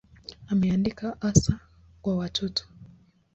Ameandika hasa kwa watoto.